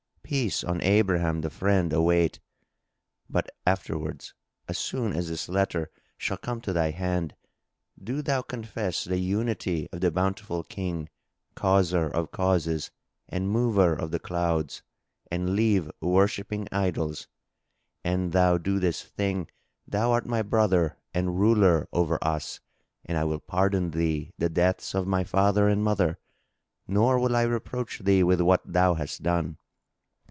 Peace on Abraham the Friend await! But afterwards. As soon as this letter shall come to thy hand, do thou confess the Unity of the Bountiful King, Causer of causes and Mover of the clouds;[FN#3] and leave worshipping idols. An thou do this thing, thou art my brother and ruler over us and I will pardon thee the deaths of my father and mother, nor will I reproach thee with what thou hast done.